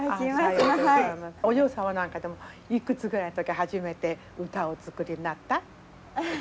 お嬢様なんかでもいくつぐらいの時初めて歌をお作りになった？